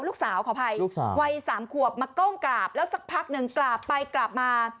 ลูกสาวขออภัยวัย๓ขวบมาก้มกราบแล้วสักพักนึงกราบไปกราบมา